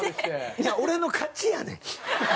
いや俺の勝ちやねん。